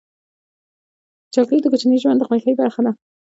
چاکلېټ د کوچني ژوند د خوښۍ برخه ده.